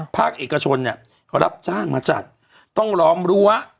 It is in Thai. ภาคเอกชนเนี่ยรับจ้างมาจัดต้องล้อมรั้ว